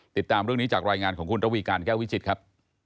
ติดตามเรื่องนี้จากรายงานของคุณระวีการแก้ววิจิตรครับ